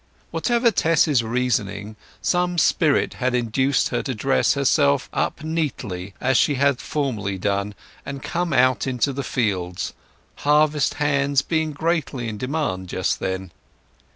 Whatever Tess's reasoning, some spirit had induced her to dress herself up neatly as she had formerly done, and come out into the fields, harvest hands being greatly in demand just then.